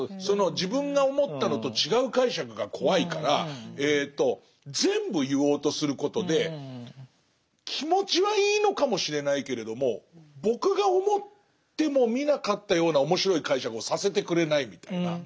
その自分が思ったのと違う解釈が怖いから全部言おうとすることで気持ちはいいのかもしれないけれども僕が思ってもみなかったような面白い解釈をさせてくれないみたいな。